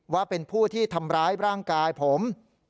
ว่าเป็นผู้ที่ทำร้ายร่างกายผม